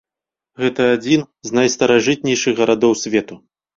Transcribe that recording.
Гэта адзін з найстаражытнейшых гарадоў свету.